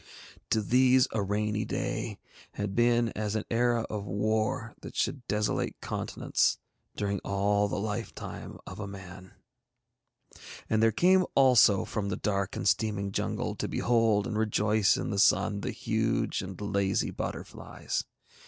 To these a rainy day had been as an era of war that should desolate continents during all the lifetime of a man. And there came out also from the dark and steaming jungle to behold and rejoice in the Sun the huge and lazy butterflies.